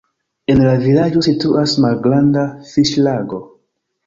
En la vilaĝo situas malgranda fiŝlago.